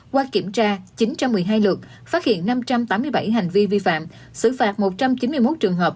qua kiểm tra chín trăm một mươi hai lượt phát hiện năm trăm tám mươi bảy hành vi vi phạm xử phạt một trăm chín mươi một trường hợp